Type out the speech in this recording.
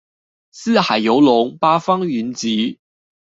四海遊龍，八方雲集